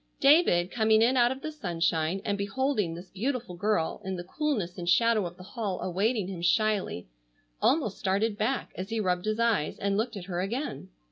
David, coming in out of the sunshine and beholding this beautiful girl in the coolness and shadow of the hall awaiting him shyly, almost started back as he rubbed his eyes and looked at her again.